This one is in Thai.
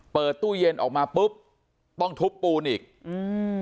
เปิดตู้เย็นออกมาปุ๊บต้องทุบปูนอีกอืม